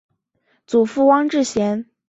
祖父汪志贤。